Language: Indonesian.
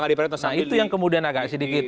nah itu yang kemudian agak sedikit